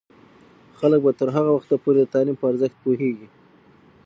خلک به تر هغه وخته پورې د تعلیم په ارزښت پوهیږي.